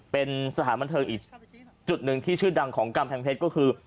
เป็นสถานบันเทิงอีกจุดหนึ่งที่ชื่อดังของกำแพงเพชรก็คือ